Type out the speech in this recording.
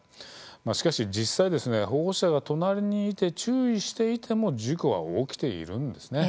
しかし実際、保護者が隣にいて注意していても事故は起きているんです。